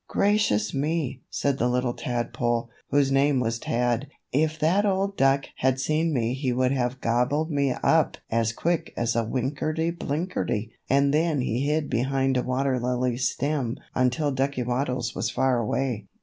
"Gracious me!" said the Little Tadpole, whose name was Tad, "if that old duck had seen me he would have gobbled me up as quick as a winkerty blinkerty." And then he hid behind a water lily stem until Ducky Waddles was far away.